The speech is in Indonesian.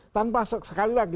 tanpa sekali lagi